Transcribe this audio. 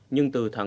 nhưng từ tháng một